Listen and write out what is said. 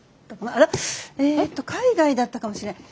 あらっえっと海外だったかもしれない。